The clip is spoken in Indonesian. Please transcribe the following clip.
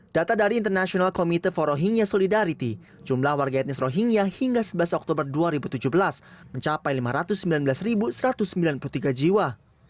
data dari international committee for rohingya solidarity jumlah warga etnis rohingya hingga sebelas oktober dua ribu tujuh belas mencapai lima ratus sembilan belas satu ratus sembilan puluh tiga jiwa